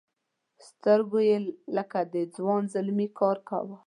سترګو یې لکه د ځوان زلمي کار کاوه.